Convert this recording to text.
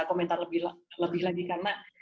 komentar lebih lagi karena